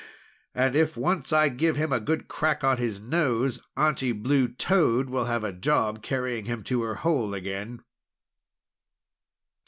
And if once I give him a good crack on his nose, Aunty Blue Toad will have a job carrying him to her hole again!"